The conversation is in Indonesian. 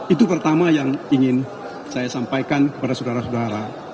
itu pertama yang ingin saya sampaikan kepada saudara saudara